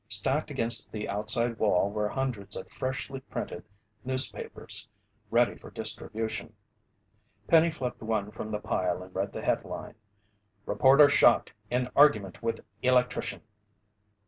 Stacked against the outside wall were hundreds of freshly printed newspapers ready for distribution. Penny flipped one from the pile and read the headline: "REPORTER SHOT IN ARGUMENT WITH ELECTRICIAN!"